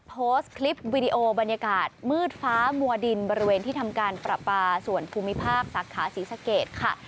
โพสต์คลิปวิดีโอบรรยากาศมืดฟ้ามัวดินบริเวณที่ทำการประปาส่วนภูมิภาคสาขาศรีสะเกดค่ะ